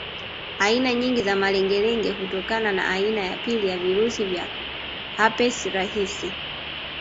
Aina nyingi za malengelenge hutokana na aina ya pili ya virusi vya herpes rahisi